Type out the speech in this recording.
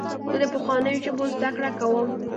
زه د پخوانیو ژبو زدهکړه کوم.